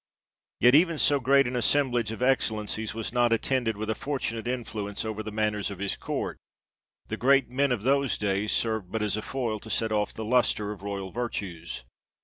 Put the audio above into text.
Yet even so great an assemblage of excellencies was not attended with a fortunate influence over the manners of his court ; the great men of those days served but as a foil to set off the lustre of royal virtues.